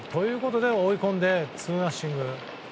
追い込んでツーナッシング。